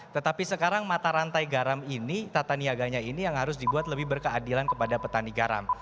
tetapi sekarang mata rantai garam ini tata niaganya ini yang harus dibuat lebih berkeadilan kepada petani garam